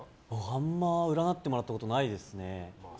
あんま占ってもらったことないですね。